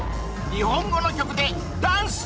日本語の曲でダンス！